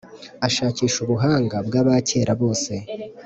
Ashakisha ubuhanga bw’abakera bose,